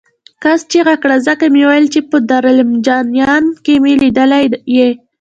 کس چغه کړه ځکه مې وویل چې په دارالمجانین کې مې لیدلی یې.